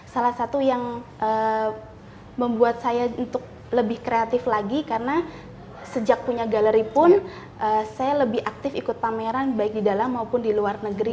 salah satu yang membuat saya untuk lebih kreatif lagi karena sejak punya galeri pun saya lebih aktif ikut pameran baik di dalam maupun di luar negeri